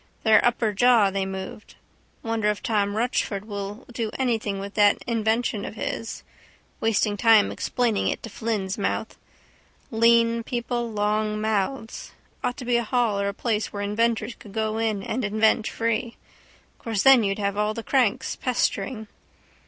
Their upper jaw they move. Wonder if Tom Rochford will do anything with that invention of his? Wasting time explaining it to Flynn's mouth. Lean people long mouths. Ought to be a hall or a place where inventors could go in and invent free. Course then you'd have all the cranks pestering.